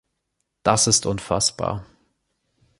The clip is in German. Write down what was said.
Das ist unfassbar!